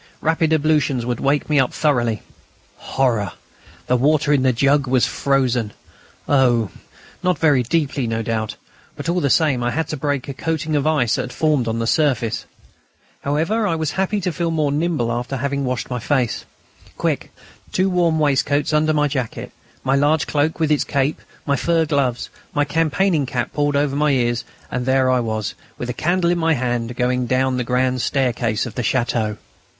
Rapid ablutions would wake me up thoroughly. Horror! The water in the jug was frozen. Oh! not very deeply, no doubt; but all the same I had to break a coating of ice that had formed on the surface. However, I was happy to feel more nimble after having washed my face. Quick! Two warm waistcoats under my jacket, my large cloak with its cape, my fur gloves, my campaigning cap pulled over my ears, and there I was, with a candle in my hand, going down the grand staircase of the château.